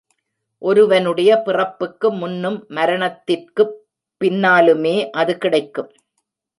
ஒருவனுடைய பிறப்புக்கு முன்னும், மரணத்திற்குப் பின்னாலுமே அது கிடைக்கும்.